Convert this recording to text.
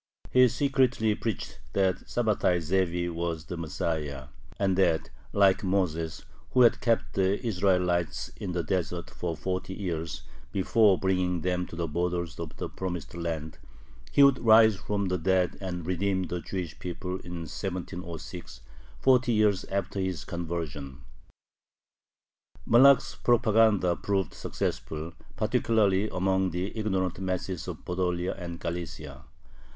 He secretly preached that Sabbatai Zevi was the Messiah, and that, like Moses, who had kept the Israelites in the desert for forty years before bringing them to the borders of the Promised Land, he would rise from the dead and redeem the Jewish people in 1706, forty years after his conversion. Malakh's propaganda proved successful, particularly among the ignorant masses of Podolia and Galicia.